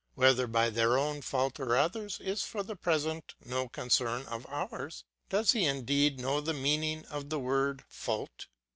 Whether by their own fault or another's is for the present no concern of ours; does he indeed know the meaning of the word fault?